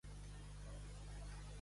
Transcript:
Estar boig per.